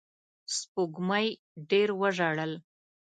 سپوږمۍ ډېر وژړل